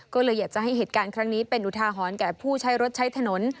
ก็เลยอยากจะให้เหตุการณ์ครั้งนี้เป็นอุทาหรณ์แก่ผู้ใช้รถใช้ถนน